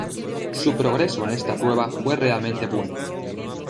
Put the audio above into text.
Su progreso en esta prueba fue realmente bueno.